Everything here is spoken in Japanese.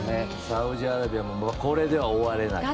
サウジアラビアもこれでは終われない。